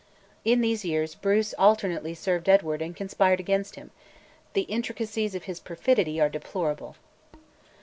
In these years Bruce alternately served Edward and conspired against him; the intricacies of his perfidy are deplorable.